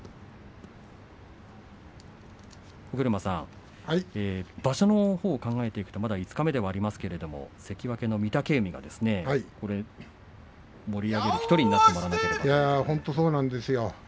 尾車さん、場所のほうを考えていくとまだ五日目ではありますが関脇の御嶽海が盛り上げる１人に本当にそうなんですよ。